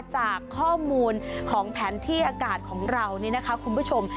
จากข้อมูลของแผนที่อากาศของเรานี่นะคะคุณผู้ชม